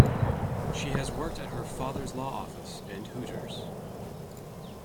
She has worked at her father's law office and Hooters.